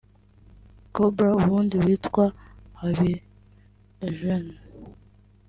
Cobra ubundi witwa Habi Eugene